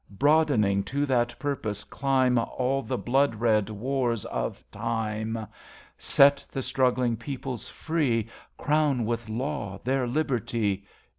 Broadening to that purpose climb All the blood red wars of Time. ... Set the struggling peoples free, Crown with Law their Liberty